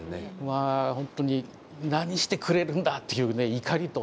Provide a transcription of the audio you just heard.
まあ本当に何してくれるんだっていうね怒りとね